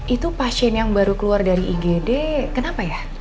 itu pasien yang baru keluar dari igd kenapa ya